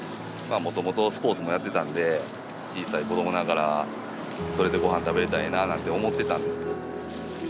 もともとスポーツもやってたんで小さい子どもながら「それでごはん食べれたらええな」なんて思ってたんですけど。